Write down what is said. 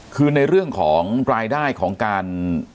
คือในเรื่องของรายได้ของการ